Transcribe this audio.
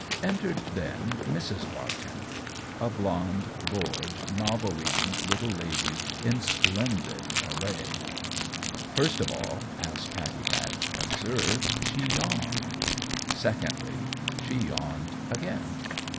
Entered, then, Mrs. Bartender a blonde, bored, novel reading little lady in splendid array. First of all, as Pattie Batch observed, she yawned; secondly, she yawned again.